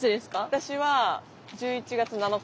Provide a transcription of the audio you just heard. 私は１１月７日。